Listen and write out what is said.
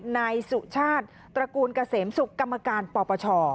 นายสุชาติตระกูลเกษมศุกร์กรรมการปปช